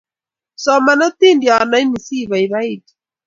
soman otindiondeni asi ibaibaitu